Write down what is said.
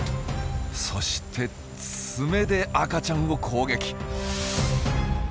そして爪で赤ちゃんを攻撃！